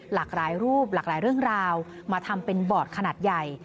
หลากหลายรูปหลากหลายเรื่องราวมาทำเป็นบอร์ดขนาดใหญ่